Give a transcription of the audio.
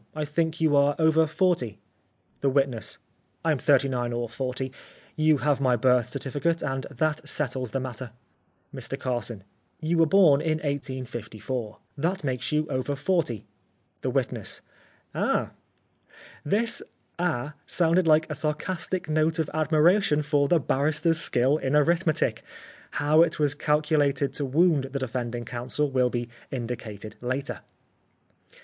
I think you are over forty ?' "The Witness: *I am thirty nine or forty. You have my birth certificate and that settles the matter.' " Mr Carson :' You were born in 1854 — that makes you over forty ?' ''The Witness: 'Ah!'" This " Ah !" sounded like a sarcastic note of admiration for the barrister's skill in arithmetic. How it was calculated to wound the defending counsel will be indicated later.